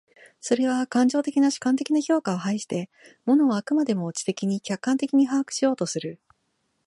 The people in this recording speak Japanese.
それは感情的な主観的な評価を排して、物を飽くまでも知的に客観的に把握しようとする。